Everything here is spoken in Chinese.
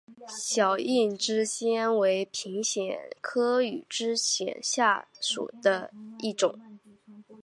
小硬枝藓为平藓科羽枝藓属下的一个种。